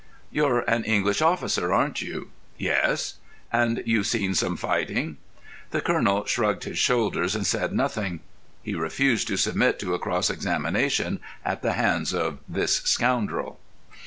"You're an English officer, aren't you?" "Yes." "And you've seen some fighting?" The Colonel shrugged his shoulders and said nothing. He refused to submit to a cross examination at the hands of this scoundrel.